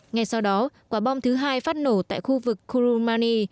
ngay sau đó quả bom thứ hai phát nổ tại khu vực kurumani